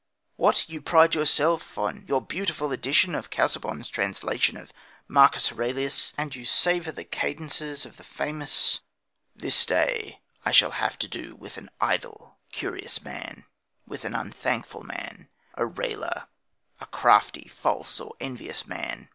What! You pride yourself on your beautiful edition of Casaubon's translation of Marcus Aurelius, and you savour the cadences of the famous: This day I shall have to do with an idle, curious man, with an unthankful man, a railer, a crafty, false, or an envious man.